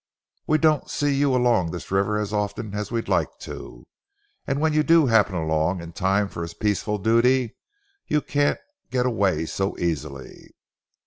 We don't see you along this river as often as we'd like to, and when you do happen along in time for a peaceful duty, you can't get away so easily.